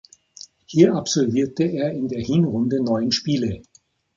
Hier absolvierte er in der Hinrunde neun Spiele.